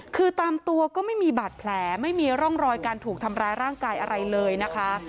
คือตามตัวก็ไม่มีบาดแผลไม่มีร่องรอยการถูกทำร้ายร่างกายอะไรเลยนะคะ